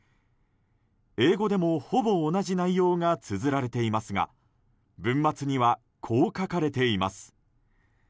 英語でも、ほぼ同じ内容がつづられていますが文末にはこう書かれています。